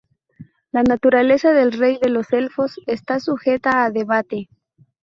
La naturaleza del Rey de los Elfos está sujeta a debate.